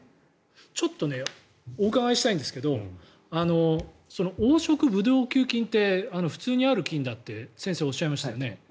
ちょっとねお伺いしたいんですけど黄色ブドウ球菌って普通にある菌だって先生、おっしゃいましたよね。